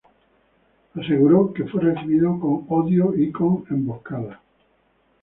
Aseguró que fue recibido con odio y con emboscadas.